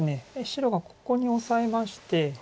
白がここにオサえまして。